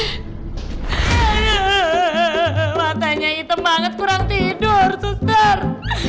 eh matanya hitam banget kurang tidur suster